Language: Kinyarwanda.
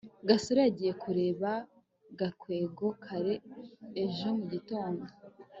gasore yagiye kureba gakwego kare ejo mu gitondo